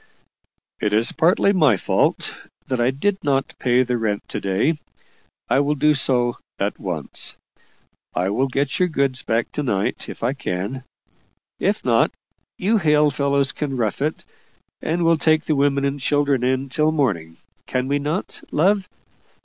"It is partly my fault, that I did not pay the rent to day I will do so at once. I will get your goods back to night, if I can. If not, you hale fellows can rough it, and we'll take the women and children in till morning can we not, love?"